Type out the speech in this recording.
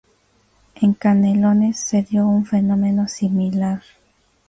En Canelones, se dio un fenómeno similar.